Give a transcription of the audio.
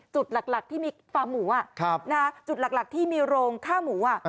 จุดหลักที่มีฟาร์มหมูจุดหลักที่มีโรงค่าหมู